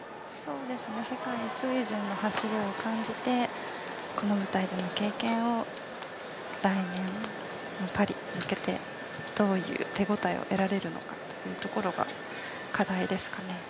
世界水準の走りを感じてこの舞台での経験を来年のパリに向けてどういう手応えを得られるのかというところが課題ですかね。